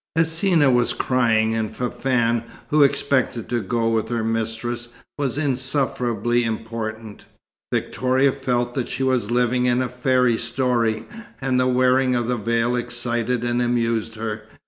Hsina was crying, and Fafann, who expected to go with her mistress, was insufferably important. Victoria felt that she was living in a fairy story, and the wearing of the veil excited and amused her.